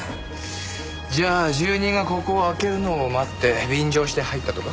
じゃあ住人がここを開けるのを待って便乗して入ったとか。